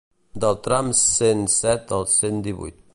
Del tram cent set al cent divuit.